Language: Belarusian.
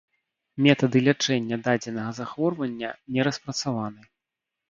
Метады лячэння дадзенага захворвання не распрацаваны.